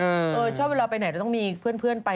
เออชอบเวลาไปไหนจะต้องมีเพื่อนไป